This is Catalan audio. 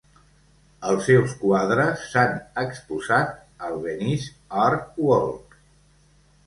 Els seus quadres s'han exposat al Venice Art Walk.